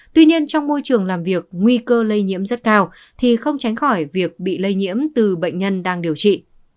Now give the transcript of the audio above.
tuy nhiên trong môi trường làm việc nguy cơ lây nhiễm rất cao thì không tránh khỏi việc bị lây nhiễm từ bệnh nhân đang điều trị